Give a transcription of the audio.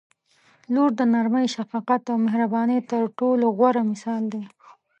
• لور د نرمۍ، شفقت او مهربانۍ تر ټولو غوره مثال دی.